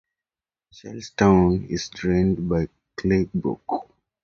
Charlestown is drained by Clay Brook.